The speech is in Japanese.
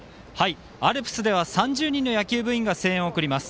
アルプスでは３０人の野球部員が声援を送ります。